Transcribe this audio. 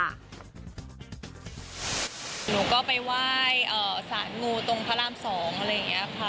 หนูก็ไปไหว้สารงูตรงพระราม๒อะไรอย่างนี้ค่ะ